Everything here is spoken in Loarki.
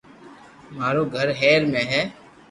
مارو گھر ھير مي ھي